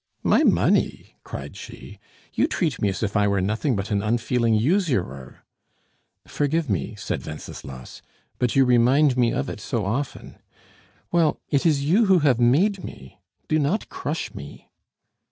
"My money!" cried she. "You treat me as if I were nothing but an unfeeling usurer." "Forgive me," said Wenceslas, "but you remind me of it so often. Well, it is you who have made me; do not crush me."